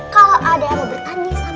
kalau ada yang mau bertanding sama aku